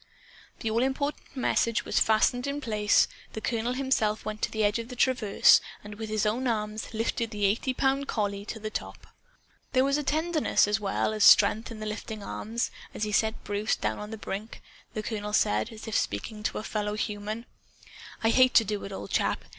The all important message was fastened in place. The colonel himself went to the edge of the traverse, and with his own arms lifted the eighty pound collie to the top. There was tenderness as well as strength in the lifting arms. As he set Bruce down on the brink, the colonel said, as if speaking to a fellow human: "I hate to do it, old chap.